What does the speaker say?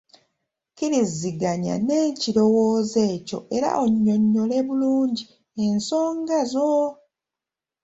Kkiriziganya n’ekirowoozo ekyo era onnyonnyole bulungi ensonga zo.